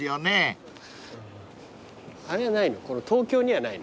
あれはないの？